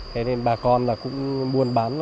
thế nên bà con là khu vực hành lang trợ